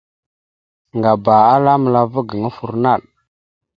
Ŋgaba ala məla ava gaŋa offor naɗ.